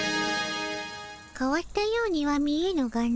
かわったようには見えぬがの。